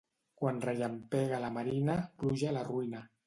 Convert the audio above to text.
Quan rellampega a la marina, pluja a la ruïna.